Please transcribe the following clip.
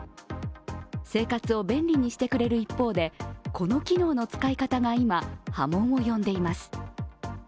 生活を便利にしてくれる一方でこの機能の使い方が今、波紋を呼んでいます。